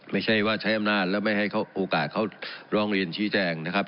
ไม่ใช่ว่าใช้อำนาจแล้วไม่ให้โอกาสเขาร้องเรียนชี้แจงนะครับ